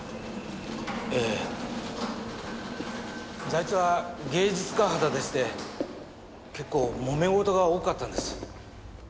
財津は芸術家肌でして結構もめ事が多かったんです。